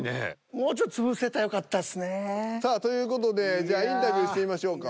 もうちょっと潰せたらよかったっすね。という事でじゃインタビューしてみましょうか？